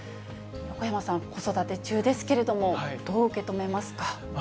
横山さん、子育て中ですけれども、どう受け止めますか。